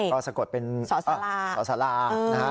ก็สะกดเป็นสรสลา